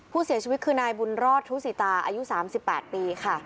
ผู้เสียชีวิตคือนายบุญรอดทุศิตาอายุ๓๘ปีค่ะ